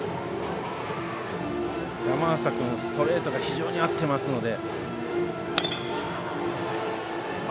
山浅君ストレートが非常に合っていますので。